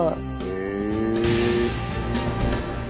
へえ！